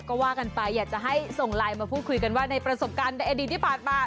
ก็ว่ากันไปอยากจะให้ส่งไลน์มาพูดคุยกันว่าในประสบการณ์ในอดีตที่ผ่านมา